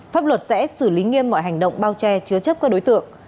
pháp luật sẽ xử lý nghiêm mọi hành động bao che chứa chấp các đối tượng